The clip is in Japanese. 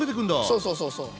そうそうそうそう。